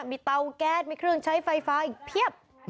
มีเตาแก๊สมีเครื่องใช้ไฟฟ้าอีกเพียบ